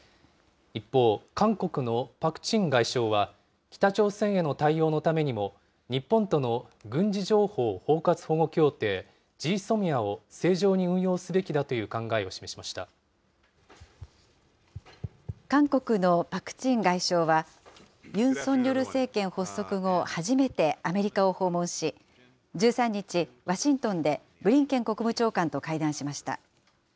一方、韓国のパク・チン外相は、北朝鮮への対応のためにも、日本との軍事情報包括保護協定・ＧＳＯＭＩＡを正常に運用すべき韓国のパク・チン外相は、ユン・ソンニョル政権発足後、初めてアメリカを訪問し、１３日、ワシントンでブリンケン国務長官と会談しました。